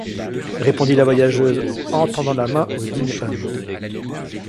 répondit la voyageuse, en tendant la main au digne homme.